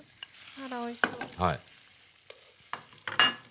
あらおいしそう。